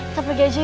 kita pergi aja yuk